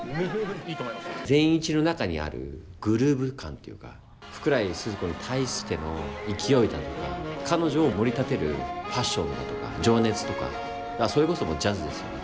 善一の中にあるグルーヴ感というか福来スズ子に対しての勢いだとか彼女をもり立てるパッションだとか情熱とかそれこそジャズですよね